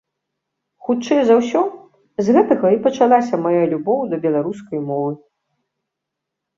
Хутчэй за ўсё, з гэтага і пачалася мая любоў да беларускай мовы.